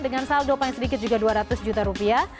dengan saldo paling sedikit juga dua ratus juta rupiah